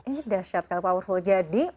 ini dasyat pak urhul jadi